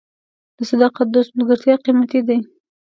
د صادق دوست ملګرتیا قیمتي ده.